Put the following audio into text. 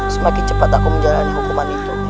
semakin cepat aku menjalani hukuman itu